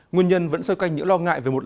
nguyên nhân vẫn sôi canh những lo ngại về một lợn